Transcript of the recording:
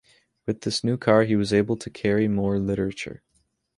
With this new car he was able to carry more literature.